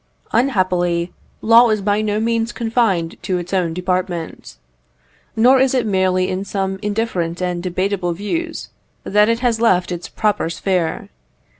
Unhappily, law is by no means confined to its own department. Nor is it merely in some indifferent and debateable views that it has left its proper sphere.